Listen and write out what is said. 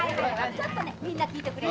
ちょっとみんな聞いとくれ。